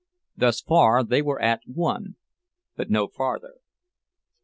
Thus far they were at one; but no farther.